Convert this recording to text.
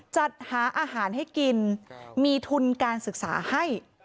จัดหาอาหารให้กินมีทุนการศึกษาให้